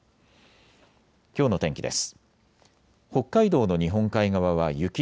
きょうの天気です。